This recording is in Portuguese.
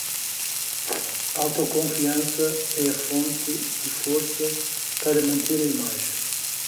Autoconfiança é a fonte de força para manter a imagem